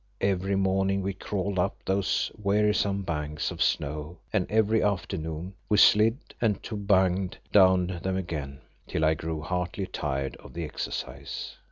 Every morning we crawled up those wearisome banks of snow, and every afternoon we slid and tobogganed down them again, till I grew heartily tired of the exercise.